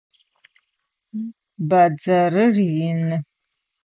Бадзэрыр ины.